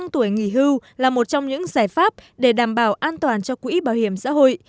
một mươi tuổi nghỉ hưu là một trong những giải pháp để đảm bảo an toàn cho quỹ bảo hiểm xã hội